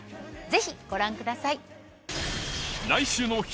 ぜひご覧ください！